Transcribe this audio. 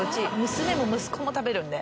娘も息子も食べるんで。